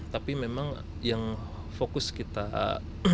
tapi memang yang fokusnya adalah bus mewah